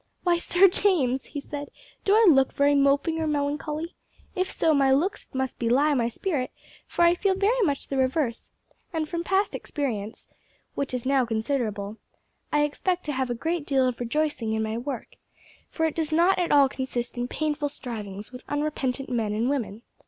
"Why, Sir James," he said, "do I look very moping or melancholy? If so, my looks must belie my spirit, for I feel very much the reverse, and from past experience which is now considerable I expect to have a great deal of rejoicing in my work, for it does not all consist in painful strivings with unrepentant men and women.